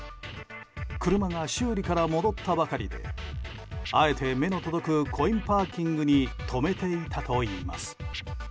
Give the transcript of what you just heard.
車が修理から戻ったばかりであえて目の届くコインパーキングに止めていたといいます。